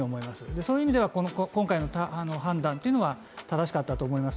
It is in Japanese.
そういう意味ではこの今回の判断というのは、正しかったと思います。